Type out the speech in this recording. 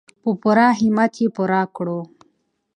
په پوره همت یې پوره کړو.